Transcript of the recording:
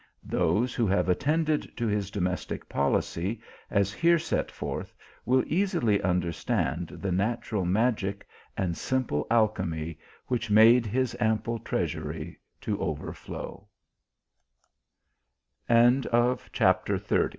Those who have attended to his domestic policy, as here set forth, will easily understand the natural magic and simple alchymy which made his ample treasury to